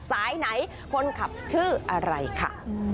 สายไหนคนขับชื่ออะไรค่ะ